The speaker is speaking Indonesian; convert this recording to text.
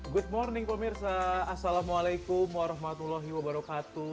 good morning pemirsa assalamualaikum warahmatullahi wabarakatuh